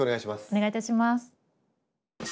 お願いいたします。